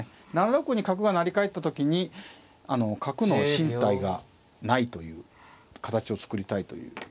７六に角が成りかえった時に角の進退がないという形を作りたいということで。